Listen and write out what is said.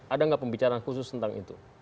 ada nggak pembicaraan khusus tentang itu